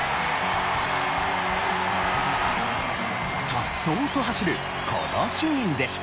颯爽と走るこのシーンでした。